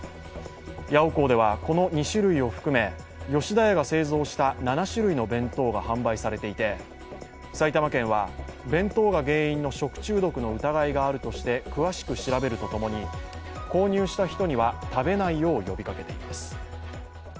ヤオコーではこの２種類を含め、吉田屋が製造した７種類の弁当が販売されていて埼玉県は、弁当が原因の食中毒の疑いがあるとして詳しく調べるとともに、購入した人には食べないよう呼びかけています。